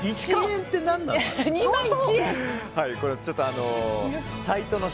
１円って何なの。